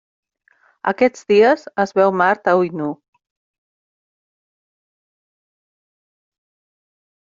Aquests dies es veu Mart a ull nu.